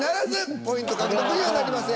ポイント獲得にはなりません。